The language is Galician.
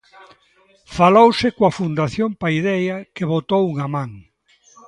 Falouse coa Fundación Paideia que botou unha man.